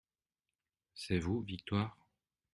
C’est vous Victoire ?